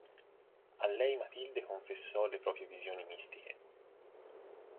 A lei Matilde confessò le proprie visioni mistiche.